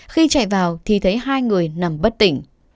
khi chạy vào thì thấy hai người nằm bất tỉnh